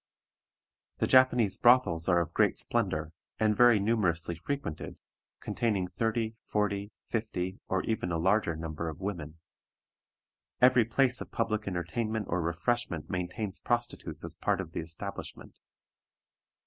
The Japanese brothels are of great splendor, and very numerously frequented, containing thirty, forty, fifty, or even a larger number of women. Every place of public entertainment or refreshment maintains prostitutes as a part of the establishment.